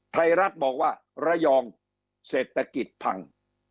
ไทยรัฐบอกว่าระยองเศรษฐกิจพัง